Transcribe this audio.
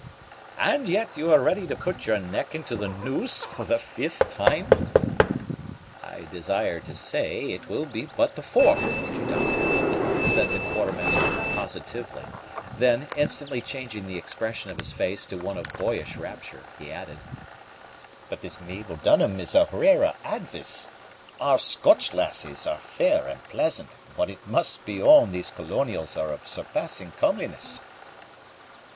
"And yet you are ready to put your neck into the noose for the fifth time?" "I desire to say, it will be but the fourth, Major Duncan," said the Quartermaster positively; then, instantly changing the expression of his face to one of boyish rapture, he added, "But this Mabel Dunham is a rara avis! Our Scotch lassies are fair and pleasant; but it must be owned these colonials are of surpassing comeliness."